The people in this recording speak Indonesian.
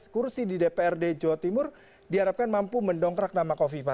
tujuh belas kursi di dprd jawa timur diharapkan mampu mendongkrak nama kofifa